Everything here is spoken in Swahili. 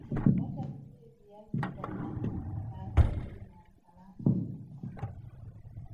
Osha vizuri viazi kwa maji safi na salama